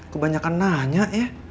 kebanyakan nanya ya